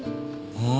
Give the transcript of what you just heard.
うん。